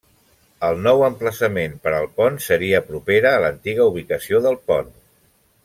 El nou emplaçament per al pont seria propera a l'antiga ubicació del pont.